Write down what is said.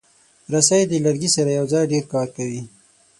رسۍ د لرګي سره یوځای ډېر کار لري.